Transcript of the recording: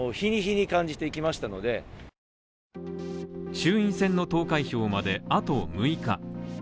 衆院選の投開票まであと６日。